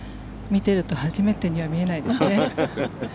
見ていると初めてには見えないですね。